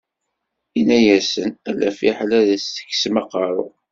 Yenna-asen, ala fiḥel ad as-teksem aqerru.